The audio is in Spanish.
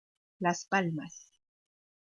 Las Palmas